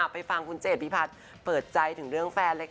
ไปฟังคุณเจดพิพัฒน์เปิดใจถึงเรื่องแฟนเลยค่ะ